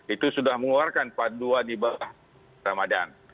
itu sudah mengeluarkan paduan ibadah ramadhan